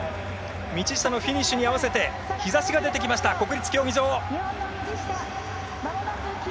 道下のフィニッシュに合わせて日ざしが出てきました国立競技場。